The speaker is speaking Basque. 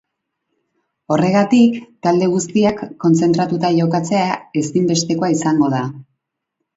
Horregatik, talde guztiak kontzentratuta jokatzea ezinbestekoa izango da.